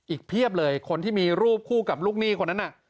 เพียบเลยคนที่มีรูปคู่กับลูกหนี้คนนั้นน่ะ